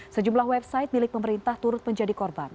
sejumlah website milik pemerintah turut menjadi korban